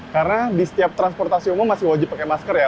karena di setiap transportasi umum masih wajib pakai masker ya